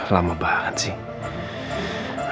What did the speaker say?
lama banget sih